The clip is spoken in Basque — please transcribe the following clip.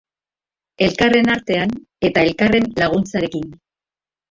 Elkarren artean eta elkarren laguntzarekin.